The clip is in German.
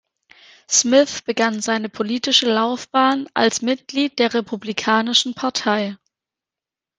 Smith begann seine politische Laufbahn als Mitglied der Republikanischen Partei.